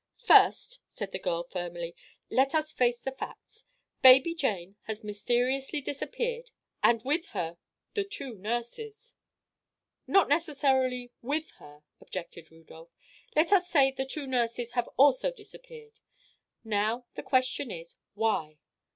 "First," said the girl, firmly, "let us face the facts. Baby Jane has mysteriously disappeared, and with her the two nurses." "Not necessarily with her," objected Rudolph. "Let us say the two nurses have also disappeared. Now, the question is, why?"